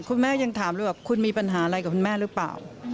แม่ยังถามเลยว่าคุณมีปัญหาอะไรกับคุณแม่หรือเปล่า